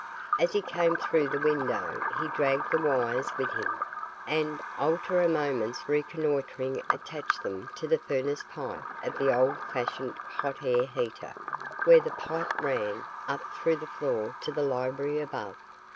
As he came through the window he dragged the wires with him, and, alter a moment's reconnoitering attached them to the furnace pipe of the old fashioned hot air heater where the pipe ran up through the floor to the library above.